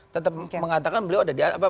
tetap mengatakan beliau ada di